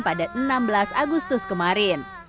pada enam belas agustus kemarin